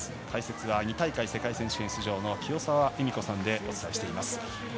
解説は２大会、世界選手権出場の清澤恵美子さんでお伝えしています。